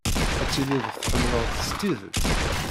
Ad tilid tḥemmled-t s tidet.